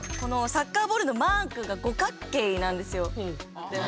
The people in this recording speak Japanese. サッカーボールのマークが五角形なんですよ。